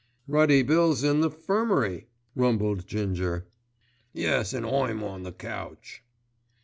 "Ruddy Bill's in the 'firmary," rumbled Ginger. "Yes, an' I'm on the couch."